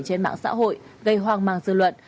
trên mạng xã hội gây hoang mang dư luận